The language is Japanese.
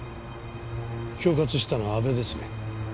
恐喝したのは阿部ですね？